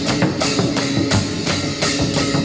สวัสดีสวัสดี